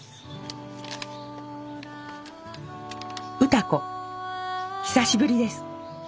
「歌子久しぶりです。